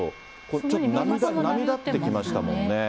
ちょっと波立ってきましたもんね。